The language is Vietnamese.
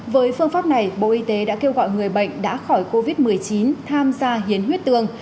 với phương pháp này bộ y tế đã kêu gọi người bệnh đã khỏi covid một mươi chín tham gia hiến huyết tương